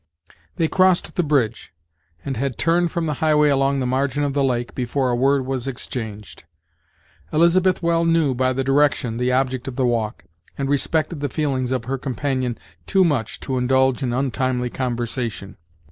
They crossed the bridge, and had turned from the highway, along the margin of the lake, before a word was exchanged. Elizabeth well knew, by the direction, the object of the walk, and respected the feelings of her companion too much to indulge in untimely conversation.